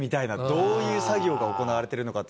どういう作業が行われいるのかって